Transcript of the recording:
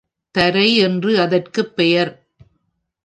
தரை என்று அதற்குப் பெயர்.